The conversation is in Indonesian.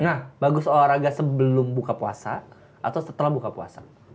nah bagus olahraga sebelum buka puasa atau setelah buka puasa